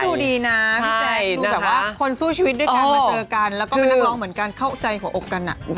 ก็ดูดีนะพี่แจ๊คดูแบบคนสู้ชีวิตด้วยกันมาเจอกัน